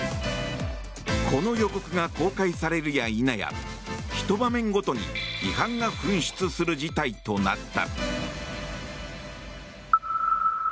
この予告が公開されるや否やひと場面ごとに批判が噴出する事態となった。